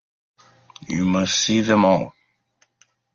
You must see them all.